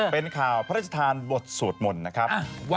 เป็นข่าวพระราชทานบทสวดมนต์นะครับ